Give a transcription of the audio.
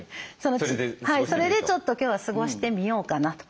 それでちょっと今日は過ごしてみようかなと。